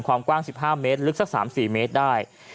ความกว้าง๑๕เมตรลึกสัก๓๔เมตรได้